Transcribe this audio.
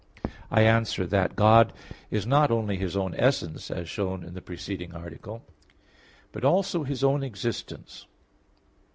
I answer that, God is not only His own essence, as shown in the preceding article, but also His own existence.